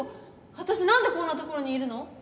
わたしなんでこんなところにいるの？